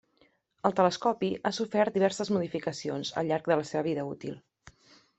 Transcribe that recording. El telescopi ha sofert diverses modificacions al llarg la seva vida útil.